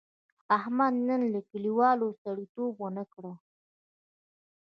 احمد نن له کلیوالو سړیتیوب و نه کړ.